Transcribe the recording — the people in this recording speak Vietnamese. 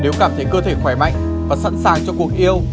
nếu cảm thấy cơ thể khỏe mạnh và sẵn sàng cho cuộc yêu